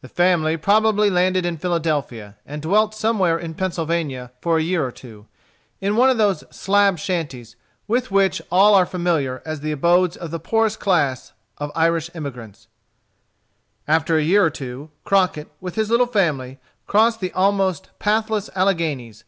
The family probably landed in Philadelphia, and dwelt somewhere in Pennsylvania, for a year or two, in one of those slab shanties, with which all are familiar as the abodes of the poorest class of Irish emigrants. After a year or two, Crockett, with his little family, crossed the almost pathless Alleghanies.